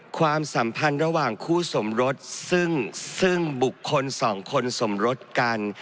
ความสัมพันธ์ระหว่างคู่สมรสซึ่งบุคคลสองคนสมรสกัน